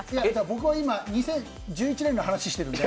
僕は今２０１１年の話をしているんで。